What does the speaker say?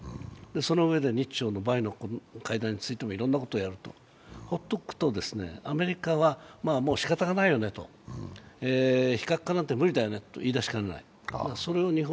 そのうえで日朝の、会談についてもいろいろなことをやると、放っておくとアメリカはもうしかたがないよねと、非核化なんて無理だよねと言いだしかねない、日本